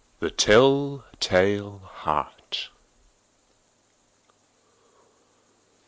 _ THE TELL TALE HEART.